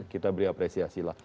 kita beri apresiasi lah